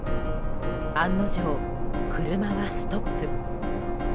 案の定、車はストップ。